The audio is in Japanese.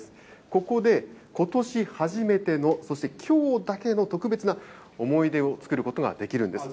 ここでことし初めての、そしてきょうだけの特別な思い出を作ることができるんです。